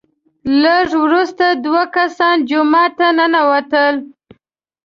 لږ وروسته دوه کسان جومات ته ننوتل،